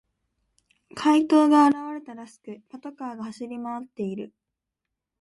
怪盗が現れたらしく、パトカーが走り回っている。